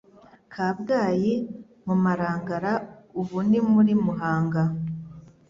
Kabgayi mu Marangara ubu ni muri Muhanga)